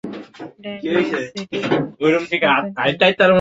Language settings open করো।